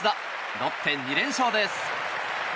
ロッテ２連勝です。